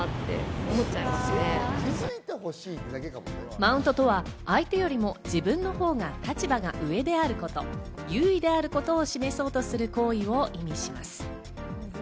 マウントとは相手よりも自分のほうが立場が上であること、優位であることを示そうとする行為を意味します。